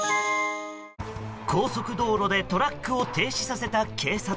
高速道路でトラックを停止させた警察。